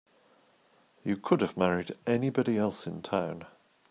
You could have married anybody else in town.